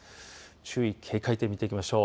注意、警戒点見ていきましょう。